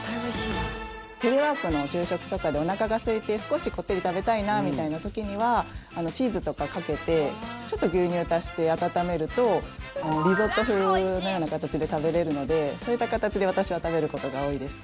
テレワークの昼食とかでおなかがすいて少しこってり食べたいなみたいな時にはチーズとかをかけてちょっと牛乳を足して温めるとリゾット風のような形で食べれるのでそういった形で私は食べることが多いです。